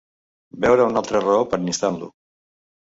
Veure una altra raó per instant-lo!